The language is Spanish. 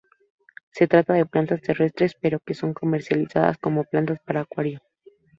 Se trata de plantas terrestres pero que son comercializadas como plantas para acuario.